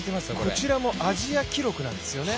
こちらもアジア記録なんですよね。